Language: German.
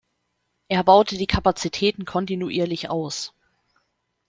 Er baute die Kapazitäten kontinuierlich aus.